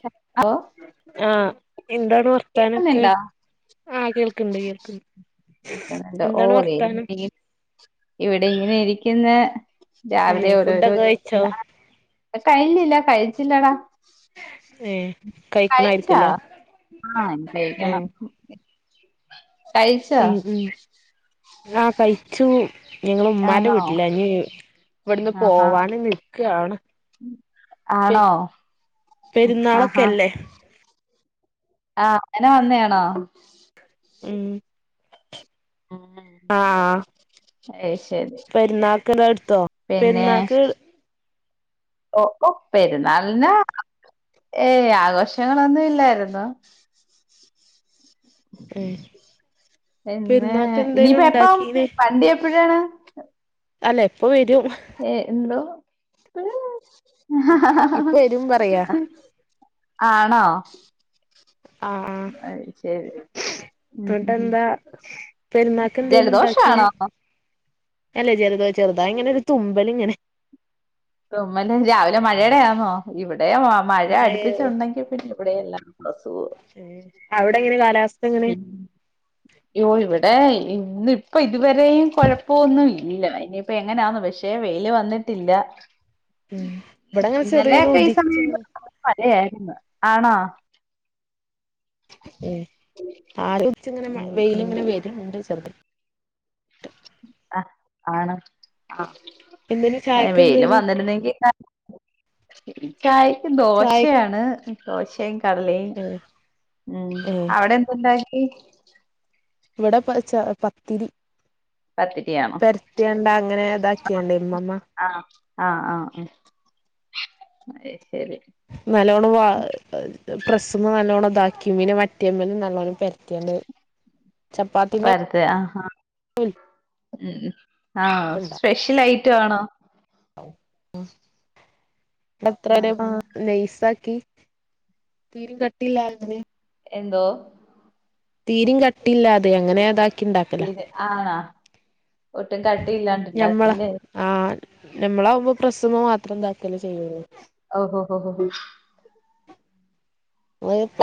കേക്കാവോ ആഹ് എന്താണ് വർ കേക്ക്‌ന്ന്ണ്ടാ ആഹ് കേൾക്ക്‌ൺണ്ട് കേൾക്ക്‌ൺണ്ട് കേക്കുന്നുണ്ട് ഓ എന്താണ് ദേ വർത്താനം ഇങ്ങനെ- ഇവിടെ ഇങ്ങനെ ഇരിക്ക്‌ന്ന് രാവിലെ ഏഹ് ഓരോരോ ഫുഡൊക്കെ കഴിച്ചോ ജോലികളാ ആഹ് എഹ് കഴിഞ്ഞില്ല കഴിച്ചില്ലടാ ഏഹ് കഴിച്ചാ കഴിക്കണായിരിക്കുംല്ലേ ആഹ് കെഴിക്കണം ഏഹ് കഴിച്ചാ ഉം ഉം ആഹ് കഴിച്ചു ഞങ്ങള്മ്മാന്റെ ആണോ വീട്ടിലാ ഞ്ഞീ ഇവിടുന്ന് ആഹാ പോവാൻ നി ക്ക്യാണ് പെ ആണോ പെരുന്നാളൊക്കെല്ലേ ആഹ് അങ്ങനെ വന്നെയാണോ ഉം ഉം ആഹ് ഏയ് ശരി പെര്ന്നാക്ക്‌ള്ളട്ത്തോ പെര്ന്നാക്ക് ഓഹ് ഒഹ് പെരുന്നാൾന് ഏയ് ആഘോഷങ്ങളൊന്നും ഇല്ലാരുന്നു ഏഹ് തന്നേ പെരുന്നാക്ക് എന്തേലും ഇനിയിപ്പ എപ്പം ഉണ്ടാക്കീന് വണ്ടി എപ്പഴാണ് അല്ലെപ്പ വെരും ഏഹ് എന്തോ ഇപ്പൊ വരും പറയാ ആണോ ആഹ് ആഹ് അത് ശരി ഉം ഉം ഉം ത്തുട്ടെന്താ പെര്ന്നാക്കെന്തേനുണ്ടാക്കീനെ ജലദോഷാണോ അല്ലെയ് ജെലെതോ ചെറുതായിങ്ങനൊരു തുമ്പല്ങ്ങനെ തുമ്മല് രാവിലെ മഴേടെയാന്നോ ഇവിടെ മമഴ മഴയോ അടുപ്പിച്ചൊണ്ടെങ്കി പിന്നെ ഇവിടേം എല്ലാർക്കും അസുഗോ ഏഹ് അവിടെങ്ങനെ കാലാവസ്ഥ എങ്ങനെ യ്യ്യോ ഇവിടെ ഇന്ന് ഇപ്പ ഇതുവരെയും കൊഴപ്പൊന്നു ഇല്ല ഇനിയിപ്പ എങ്ങനെയാന്നോ പക്ഷെ വെയില് വന്ന്ട്ടില്ല ഉം ഇവടങ്ങനെ ചെറിയൊരു ഉദിച്ച്ങ്ങനെ മഴയാരുന്ന് ആണോ ഉം ആവിട്ച്ച് ഇങ്ങനെ മ ഉം വെയില് ഉം ഇങ്ങനെ വെര്ണ്ട് ചെർത് അഹ് ആണ് ആഹ് എന്തേനു എഹ് ചായക്ക് വെയില് എന്തേനു വന്നിരുന്നെങ്കില് ചായക്ക് ചായക്ക് ദോശയാണ് ദോശേം ക് കടലേം ഏഹ് ഉം ഏഹ് അവിടെ എന്തുണ്ടാക്കി ഇവടെ പച്ചാ പത്തിരി പത്തിരിയാന്ന് പെര്ത്തിയാണ്ട് അങ്ങനെ ഇതാക്കിയാണ്ട് ഇമ്മമ്മ. ആഹ്, ആഹ് ആഹ് ആഹ് അയ്ശെരി. ന്നല്ലോണ്ണം വാ പ്രസ്സ്മ്മെ ന്നല്ലോണ്ണം ഇതാക്കി പിന്നെ മറ്റീമ്മലും ന്നല്ലോണ്ണം പെര് ത്തിയാണ്ട് ചപ്പാത്തിന്റെ അതെയാ ആഹാ ഹാ ഉം ആഹ് സ്പെഷ്യൽ ഐറ്റവാണോ ഔ അഹ് ണ്ട് അത്ര ആഹ് വെരെക്കും ആഹ് നെയ്സാക്കി തീരിം കട്ടില്ലാതെ എന്തോ തീരിം കട്ടില്ലാതെ അങ്ങനെ അതാ തീരെ ആണാ ഒട്ടും കട്ടിഇല്ലാണ്ട് ഞമ്മള ഇണ്ടാക്കുംല്ലേ ആഹ് ഞമ്മളാവുമ്പൊ പ്രസ്സ്മ്മെ മാത്രം ഇതാക്കല്ലെ ചെയ്യൊള്ളു. ഓഹോ ഹോ ഹോ ഹോ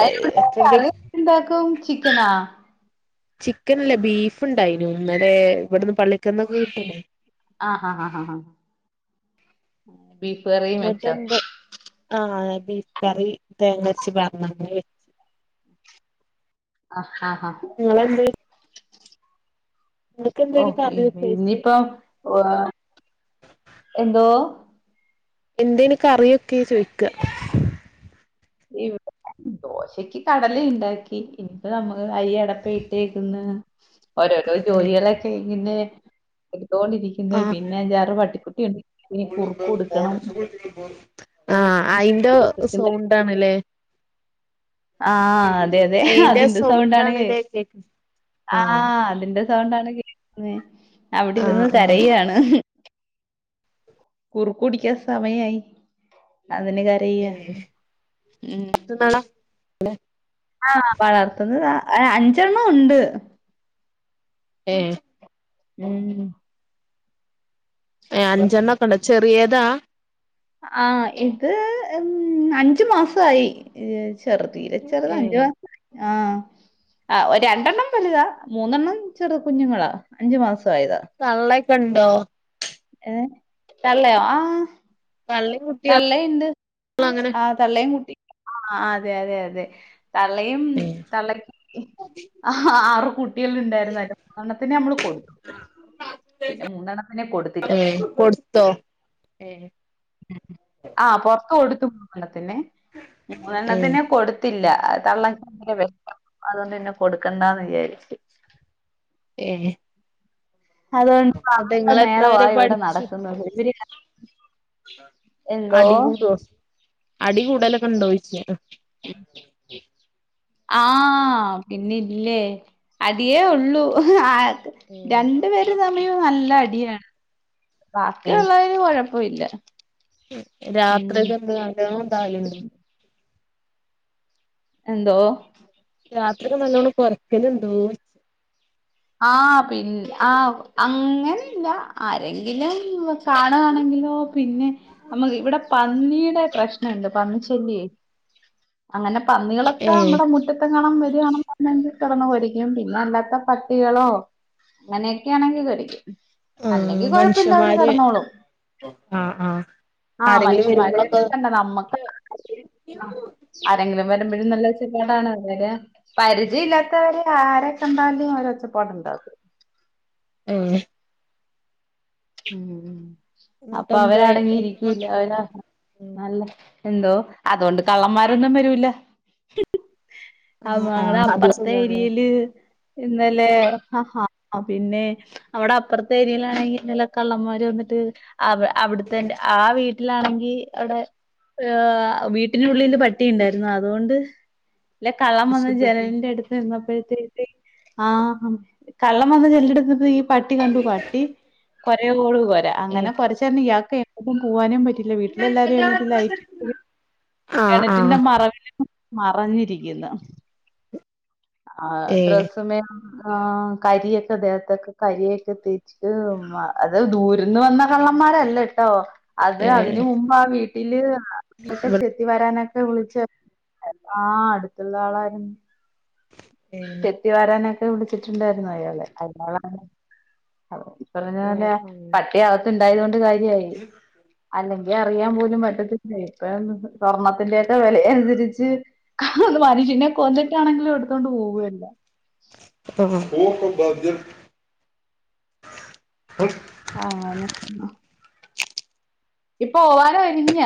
അയ്ക്ക്‌ എത്ര കറിഎന്ത്ണ്ടാക്കും ചിക്കനാ ചിക്കൻല്ല ബീഫ് ഇണ്ടായിനു ഇന്നെലെ ഇവട്ന്ന് പള്ളിക്കന്നൊക്കെ കിട്ടൂലെ ആഹ് ഹാ ഹാ ഹാ ഹാ കറിയും വെച്ചോ ഇന്നെട്ട്ന്ത് ആഹ് ബീഫ് കറി തേങ്ങര്ച്ച് പാർന്നാണ്ട് അങ്ങനെ വെച്ച് അഹ് ഹാ ഹാ ന്നിങ്ങളെന്തേയ് എന്തേനു ഓഹ് കറി ചോയിച്ച് ഇയിപ്പം ഹു എഹ് എന്തോ എന്തേയ്നു കറിയൊക്കെ ചോയ്ക്ക. ഇവ്ടെ ദോശക്ക് കടലെ ഇണ്ടാക്കി ഇനിയിപ്പോ ന്നമ്മള് അരി അടപ്പേ ഇട്ടേക്ക്‌ന്ന് ഓരോരോ ജോലികളൊക്കെ ഇങ്ങനെ എട്ത്തോണ്ടിര്ക്ക്‌ന്ന് ആഹ് പിന്നെ അഞ്ചാറ് പട്ടിക്കുട്ടിയുണ്ട് ഇനി കുറുക്ക് കൊടുക്കണം ആഹ് അയ്ന്റോ സൗണ്ടാണ്ലേ ആഹ് അതെ അതെ അയിന്റെ അതിന്റെ സൗണ്ടാണ് ഹെ സൗണ്ടാണ്ല്ലേ കേക്ക് ആഹ്, അതിന്റെ സൗണ്ടാണ് കേക്ക്‌ന്നെ അവ്ടെ ആഹ് ഇരിന്ന് ആഹ് കരയാണ്. കുറുക്ക് കുടിക്കാൻ സമയായി അതിന് കര രയാ, ഏഹ് ഉം ആണോ വളർത്തുന്നതാ ഏഹ് അഞ്ചെണ്ണം ഉണ്ട്. ഏഹ് ഉം ഏഹ് അഞ്ചെണ്ണൊക്കെണ്ടോ ചെറിയേതാ ആഹ് ഇത് ഉം അഞ്ച് മാസവായി ഇഹ് ചെർ തീരെ ചെറ്താ ഏ അഞ്ച്മാസായി, ആഹ് ആഹ് ഒ രണ്ടെണ്ണം വലുതാ മൂന്നെണ്ണം ചെറു കുഞ്ഞുങ്ങളാ അഞ്ച്മാസആയതാ. തള്ളെക്കെ ഇണ്ടോ ഏഹ് തള്ളയോ ആഹ് തള്ളിം തള്ളയിണ്ട് ആഹ് തള്ളേം കുട്ടി ആഹ് ആതെ അതെ അതെ തള്ളയും ഏഹ് തള്ള [unintelligible] ആറ് കുട്ടിള്ണ്ടായിരുന്ന് അയ്ല് ഒരെണ്ണത്തിനെ നമ്മള് കൊടു കൊടുത്തില്ല ഏഹ് കൊട്ത്തോ ഏഹ് ഉം ഉം ആഹ് പൊറ്ത്ത് കൊടുത്തു. മൂന്നെണ്ണത്തിനെ ഇഞ് ഏ മൂന്നെണ്ണത്തിനെ കൊട് ത്തില്ല അഹ് തള്ളക്ക്‌ ഭയങ്കര വെഷ്മം അതോണ്ട് പിന്നെ കൊടുക്കണ്ടാന്ന് വിചാരിച്ച്. ഏഹ് അതോണ്ട് അവര്ടെ നിങ്ങള് എത്ര മേളവാ വരെ ഇവ്ടെ പഠിച്ചു നടക്കുന്നത്. ഇവരി അടികൂടോ അടികൂടലൊക്കെണ്ടോയിച്ച? ഉം ആഹ് പിന്നില്ലേ അടിയേ ഉള്ളൂ ആഹ് രണ്ടു പേരു തമ്മിയും നല്ലടിയാണ്. ഏഹ് ഹ് ഉം രാത്രിയിലെന്ത് നല്ലോ ഇതാവലുണ്ടോ? എന്തോ? രാത്രിക്ക നല്ലോണം കൊരയ്ക്കലുണ്ടോഴ്? ആഹ് പിന് ആഹ് അങ്ങനെല്ല ആരെങ്കിലും വ കാണാണെങ്കിലോ പിന്നെ അമക്ക് ഇവിടെ പന്നീടെ പ്രശ്നണ്ട് പന്നി ശല്ല്യേ. അങ്ങനെ ഏ പന്നികളൊക്കമ്മടെ മുറ്റ ത്ത്ക്കണം വരുവാണെന്നുണ്ടെങ്കി കെട്ന്ന് കൊരക്കും. പിന്നെ അല്ലാത്ത പ ട്ടികളോ അങ്ങനെയൊക്കാണെങ്കി കൊരക്കും. ആ അല്ലെങ്കി കൊഴപ്പില്ലവര് മനുഷ്യന്മാര് കെടന്നോളും. ആ ആ ആഹ് ആരെങ്കിലും മനുഷ്യന്മാരെ വരുമ്പോളൊക്കെ കണ്ട നമ്മക്ക് ആരെങ്കിലു വരുമ്പഴു നല്ലൊര് കെതീടാണ് അതൊരെ പരിചയല്ലാത്തവരെ ആരെ കണ്ടാലും അവരൊച്ചപ്പാടുണ്ടാക്കും. ഏഹ് ഉം എന്നിട്ട് അപ്പൊ എന്താ എത്ര അവരടങ്ങിയിരിക്കൂല്ല മക്ക അവര് നല്ല എന്തോ അതോണ്ട് കള്ളന്മാരൊന്നും വരൂല. ആ അമ് ങ്ങടെ ആ അത് സുഖാണ് അപ്പർത്തേരിയേല് ഇന്നലെ അഹഹ പിന്നെ അവടെ അപ്പർത്തെ ഏരിയിലാണെങ്കിണ്ടല്ലോ കള്ളന്മാര് വന്നിട്ട് അവ് അവിടുത്തെൻ ആ വീട്ടിലാണെങ്കി അവ്ടെ ഏഹ് വീട്ടിനുള്ളില് പട്ടിയുണ്ടായിരുന്നു അതോണ്ട് ല്ല കള്ളം വന്ന് രക്ഷപ്പെട്ടു ജനൽന്റെ അടു ചെന്നപ്പഴ്ത്തേക്ക് ആഹ് കള്ളം വന്ന് ജനൽൻ്റടുത്തപ്പഴേക്കും പട്ടി കണ്ടു. പട്ടി കൊരയോട് കൊര ഏ അങ്ങനെ കൊര്ച്ചാരണം ഇയാക്ക് എങ്ങ്ട്ടും പോവാനും പറ്റില്ല വീട്ടിലെല്ലാരു എഴുന്നേറ്റ് ലൈറ്റിട്ട് ആഹ് കെണറ്റിന്റെ ആഹ് മറവില് മറഞ്ഞിരിക്കുന്നു. ആഹ് ഏഹ് ഡ്രസ്സ്മേ ആഹ് കരിയൊക്കെ ദേഹത്തൊക്കെ കരിയൊക്കെ തേച്ച് ഹ് മ അത് ദൂരിന്ന് വന്ന കള്ളന്മാരല്ലട്ടോ. അത് അതിന് ഏഹ് മുമ്പ് ആ വീട്ടില് ഇവടെ ക്ക്ട്ടചെ ത്തി വരാനൊക്കെ വിളിച്ച് ആഹ് അടുത്തുള്ള ആളായിരുന്നു. ഏഹ് ത്തി വാരാനൊക്കെ വിളിച്ചിട്ടുണ്ടായിരുന്നു അയാളെ അയ്യാളാണ് കള്ളൻ ആഹ് പറഞ്ഞപോലെ ആഹ് പട്ടിയകത്ത് ഉണ്ടായതോണ്ട് കാര്യായി. അല്ലെങ്കി അറിയാൻ പോലും പറ്റത്തി ലെ ഇപ്പൊയൊന്ന് സ്വർണത്തിന്റെക്കെ വെലയനുസരിച്ച് ആഹ് മനുഷ്യനെ കൊന്നിട്ടാണെങ്കിലു എടുത്തോണ്ട് പോവു എല്ലാം. അഹ് അഹ് ആണ് ഇപ്പോവാലൊരിഞ്ഞ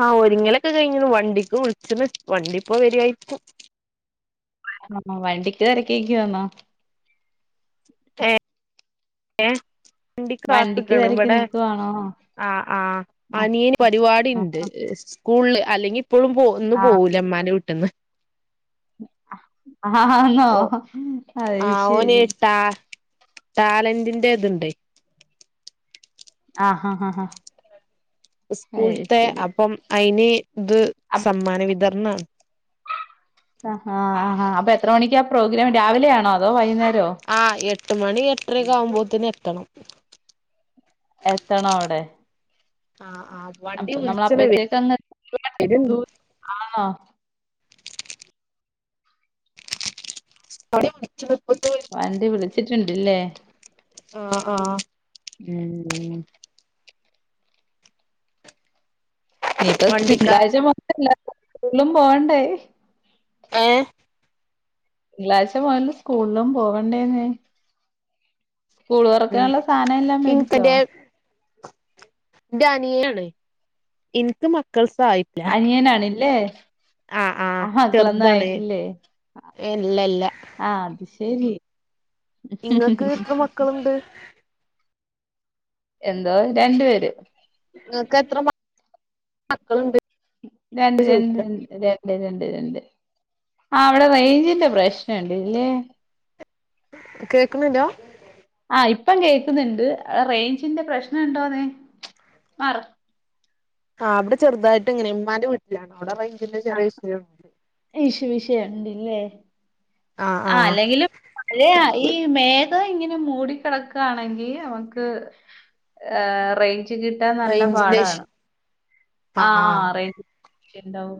ആഹ് ഒരുങ്ങലൊക്കെ കഴിഞ്ണ് വണ്ടിക്ക് വിളിച്ച്ണ് വണ്ടിപ്പോ വേരോയിരിക്കും ആഹ് വണ്ടിക്ക് തിരക്കീക്യുവന്നോ ഏഹ് വണ്ടിക്ക് കാത്ത്ക്കാണ് തിരക്കി ഇബടെ നിക്കുവാണോ ആഹ് ആഹ് ആഹ് ആനിയന് പരിപാടിണ്ട് സ്കൂള്ള് അല്ലെങ്കിൽ ഇപ്പളും പോ ഇന്നു ആഹ് പോവൂല ഇമ്മാന്റെ വീട്ട്ന്ന് ആഹഹ് ന്നോ അഹ് ശരി ട്ടാ ട്ടാലന്റിന്റെ ഇത്ണ്ടേ ആഹ്ഹഹാ ആഹ് അത് ഇസ്കൂൾത്തെ ശരി അപ്പം അയിന് ത് അപ്പൊ സമ്മാന വിതർണാണ് ആഹ് ഹ ഹ അപ്പൊത്ര മണിക്യാ പ്രോഗ്രാം രാവിലൊണോ അതോ വൈകുന്നേരോ ആഹ് എട്ട് മണി എട്ട് രക്കാകുമ്പോത്തിന് എത്തണം എത്തണോ അവിടെ ആഹ് ആഹ് വണ്ടി അപ്പ നമ്മൾ വുൾച്ച്ണ് വേ വെരും ആന്നോ [unintelligible] വണ്ടി വിളിച്ച്ട്ട്ണ്ട്ല്ലേ ആഹ് ആഹ് ഉം ഉം ഇനിയിപ്പ വണ്ടിക്കാരൻ തിങ്കളാഴ്ച മുതലല്ലാരും സ്കൂളും പോണ്ടേ ഏഹ് തിങ്കളാഴ്ച മൊതല് സ്കൂളും പോകണ്ടേന്നേ സ്കൂള് ഉം തുറക്കാനുള്ള സാധനല്ലാം മേടിച്ചോ ഇന്റെ അനിയനാണ് ഇൻക്ക് മക്കൾസ് ആയി അനിയനാണില്ലേ ആഹ് മക്കളൊന്നു ആയിറ്റില്ലേ അ ഇല്ല ഇല്ല അ ആഹ് അത് ശരി ഇങ്ങക്ക് എത്ര മക്കളുണ്ട് എന്തോ രണ്ട് പേര് ഇങ്ങക്ക് എത്ര മ മക്കള്ണ്ട് രണ്ട് രണ്ട് രണ്ട് രണ്ട് രണ്ട് രണ്ട് ആ അവിടെ റേയ്‌ഞ്ചിന്റെ പ്രശ്നണ്ട്ല്ലേ കേക്ക്ണ്ല്ലാ ആഹ് ഇപ്പകേൾക്കുന്നുണ്ട് റേയ്‌ഞ്ചിന്റെ പ്രശ്നണ്ടോന്ന് മറ ആഹ് അവ്ടെ ചെറർതായിട്ട്ങ്ങനെ ഇമ്മാന്റെ വീട്ടിലാണ് അവിടെ റേയ്‌ഞ്ചിന്റെ ചെറിയ വിഷയണ്ട് ഇശ് വിഷയൺണ്ട്ല്ലേ ആഹ് ആഹ് ആഹ് അല്ലെങ്കിലും മഴയ ഈ മേഘ ഇങ്ങനെ മൂടിക്കിടക്കാണെങ്കി അമക്ക് ഹ് റേയ്‌ഞ്ച് കിട്ടാ നല്ല റേഞ്ചിന്റെ പാടാണ് ഇഷ്യൂ ആഹ് ആഹ് റേ ഇണ്ടാവും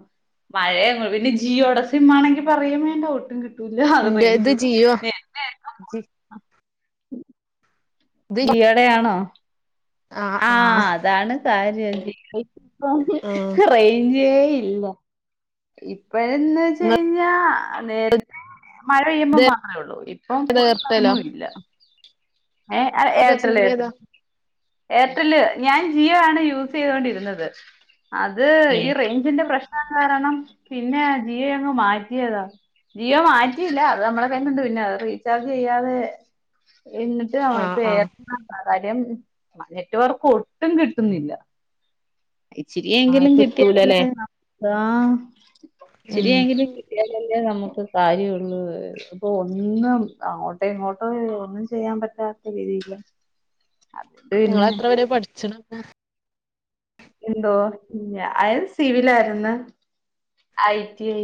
മഴണ് പിന്നെ ജിയോടെ സിംമ്മാണെങ്കി പറയേംവേണ്ട ഒട്ടും കി ട്ടൂല അത് ഇന്റെ ഇത് റേയ്‌ഞ്ച് ജിയോ ജി ഇത് ജിയോടെയാണോ ആഹ് അതാണ് കാര്യം ഇപ്പം ആഹ് റേയ്‌ഞ്ചേ ഇല്ല ഇപ്പഴന്ന് വെച്ചയ്‌ഞ്ഞാ നേ മഴ പെയ്യുമ്പോ മാത്രേ ഒള്ളൂ ഇപ്പം ഇങ്ങളേതാ ഫുൾ എയർടെലോ ടൈമു ഇല്ല ഏഹ് ആഹ് ഏതാ ഏർട്ടല്ല് സിം ഏർട്ടല്ല് ഏതാ ഏർട്ടല്ല് ഞാൻ ജിയോ ആണ് യൂസയ്തൊണ്ടിരുന്നത് അത് ഏഹ് ഈ റേയ്‌ഞ്ചിന്റെ പ്രശ്നം കാരണം പിന്നെ ജിയോ അങ്ങ് മാറ്റിയതാ ജിയോ മാറ്റിയില്ല അത് അമ്മളെകയ്യില്ണ്ട് പിന്നെ അത് റീചാർജ് ചെയ്യാതെ [unintelligible] ഇപ്പ ആഹ് ആഹ് ഏർട്ടൽ ഉണ്ട് കാര്യം നെറ്റ് വർക്ക് ഒട്ടും കിട്ടുന്നില്ല ആഹ് ഇച്ചിരിയെങ്കിലും കിട്ടൂലല്ലേ കിട്ടിയാലല്ലെ നമുക്ക് ആഹ് ഉം ഇച്ചിരിയെങ്കിലും കി- ട്ടിയാലല്ലേ നമുക്ക് കാര്യം ഉള്ളൂ അപ്പം ഒന്നും അങ്ങോട്ടും ഇങ്ങോട്ടും ഒന്നും ചെയ്യാൻ പറ്റാത്ത രീതിയിലാ അതോണ്ട് പിന്നെ എവുടെ പഠിച്ചണ് ഒക്കെ എന്തോ ഞാൻ സിവിലായിരുന്നു ഐ ടി ഐ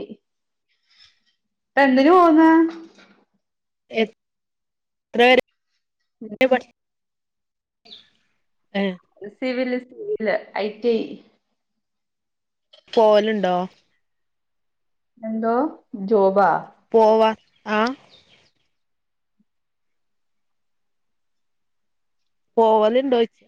ഇപ്പം എന്തിന് പോവുന്നേ എത്ര വരെ പഠിച്ചു ഏ സിവില് സിവില് ഐ ടിഐ പോവല്ണ്ടോ എന്തോ ജോബാ പോവ ആഹ് പോവലുണ്ടോയിച്ച